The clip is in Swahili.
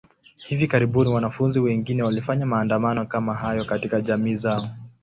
Hivi karibuni, wanafunzi wengine walifanya maandamano kama hayo katika jamii zao.